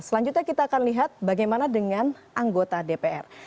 selanjutnya kita akan lihat bagaimana dengan anggota dpr